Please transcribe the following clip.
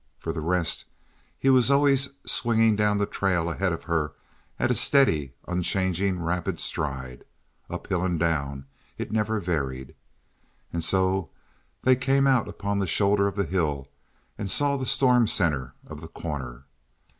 For the rest, he was always swinging down the trail ahead of her at a steady, unchanging, rapid stride. Uphill and down it never varied. And so they came out upon the shoulder of the hill and saw the storm center of The Corner.